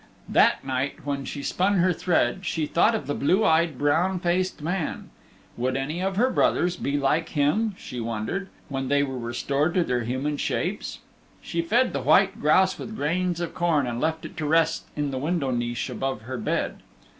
That night when she spun her thread she thought of the blue eyed, brown faced man. Would any of her brothers be like him, she wondered, when they were restored to their human shapes. She fed the white grouse with grains of corn and left it to rest in the window niche above her bed.